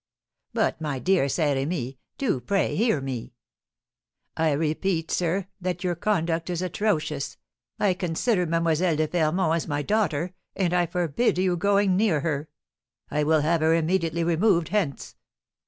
"But, my dear Saint Remy, do pray hear me!" "I repeat, sir, that your conduct is atrocious! I consider Mlle. de Fermont as my daughter, and I forbid you going near her; I will have her immediately removed hence."